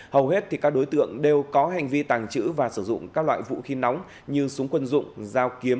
hầu hết thì các đối tượng đều có hành vi tàng chữ và sử dụng các loại vũ khí nóng như súng quân dụng